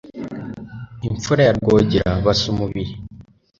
Imfura ya Rwogera basa umubiri